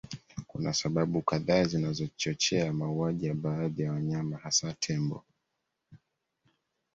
Kuna sababu kadhaa zinazochochea mauaji ya baadhi ya wanyama hasa Tembo